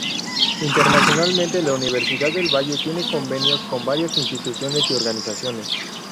Internacionalmente la Universidad del Valle tiene convenios con varias instituciones y organizaciones.